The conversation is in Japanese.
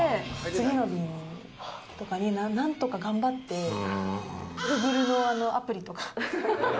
次の便とかに、なんとか頑張って、グーグルのアプリとか。